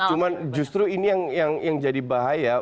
cuma justru ini yang jadi bahaya